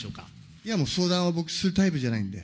いや、もう相談は僕、するタイプじゃないんで。